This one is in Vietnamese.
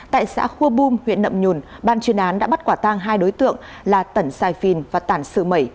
tại xã khua bum huyện nậm nhùn ban chuyên án đã bắt quả tang hai đối tượng là tẩn xài phìn và tản sự mẩy